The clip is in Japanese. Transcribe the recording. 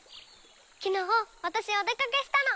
きのうわたしお出かけしたの。